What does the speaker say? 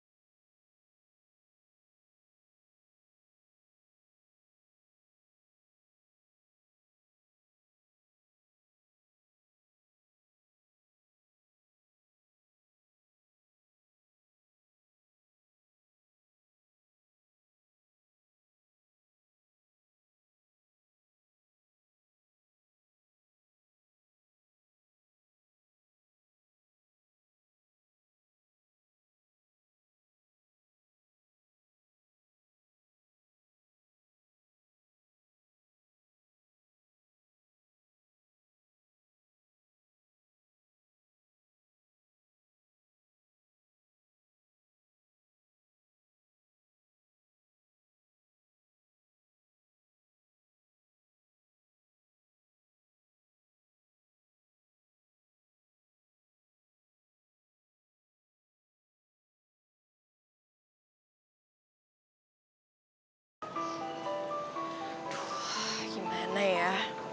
aduh gimana ya